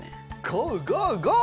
ゴーゴーゴー！